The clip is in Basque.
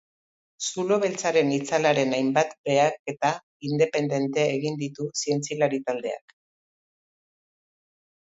Zulo beltzaren itzalaren hainbat behaketa independente egin ditu zientzialari taldeak.